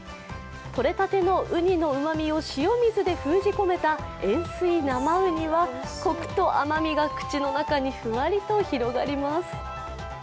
取れたてのうにのうまみを塩水で封じ込めた塩水うにはコクと甘みが口の中にふわりと広がります。